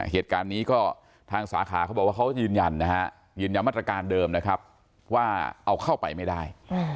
เหตุการณ์นี้ก็ทางสาขาเขาบอกว่าเขายืนยันนะฮะยืนยันมาตรการเดิมนะครับว่าเอาเข้าไปไม่ได้